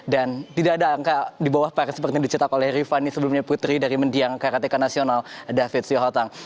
dan tidak ada angka di bawah par seperti yang dicetak oleh rifani sebelumnya putri dari mendiang karateka nasional david syohotang